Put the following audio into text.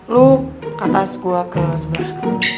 lo ke atas gue ke sebelah